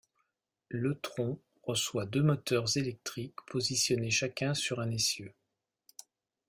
L'e-tron reçoit deux moteurs électriques positionnés chacun sur un essieu.